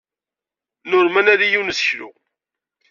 Nurem ad nali yiwen n useklu.